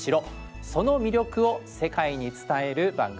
その魅力を世界に伝える番組です。